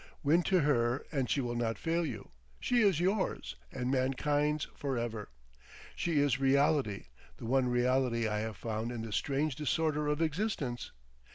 _ Win to her and she will not fail you; she is yours and mankind's for ever. She is reality, the one reality I have found in this strange disorder of existence.